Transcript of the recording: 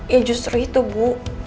ya justru itu bu